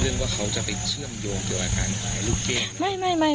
เรื่องว่าเขาจะไปเชื่อมโยงเกี่ยวกับอาการหายลูกเจน